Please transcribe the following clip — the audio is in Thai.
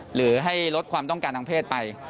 หรือให้ลดความต้องการทางเพศไป